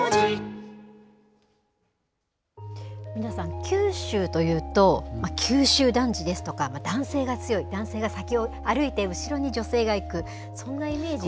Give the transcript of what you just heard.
皆さん、九州というと、九州男児ですとか、男性が強い、男性が先を歩いて、後ろに女性が行く、そんなイメージ。